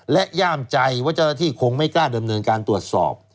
และย่ามใจว่าเจ้าหน้าที่คงไม่กล้าดำเนินการตรวจสอบ